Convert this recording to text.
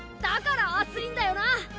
だからアツいんだよな！